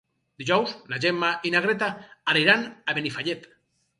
Dijous na Gemma i na Greta aniran a Benifallet.